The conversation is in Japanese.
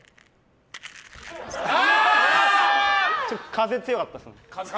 風強かったですね。